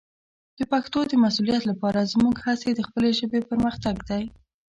د پښتو د مسوولیت لپاره زموږ هڅې د خپلې ژبې پرمختګ دی.